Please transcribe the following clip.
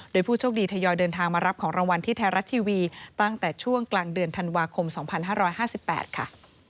โดยผู้โชคดีทยอยเดินทางมารับของรางวัลที่ไทยรัฐทีวีตั้งแต่ช่วงกลางเดือนธันวาคม๒๕๕๘ค่ะ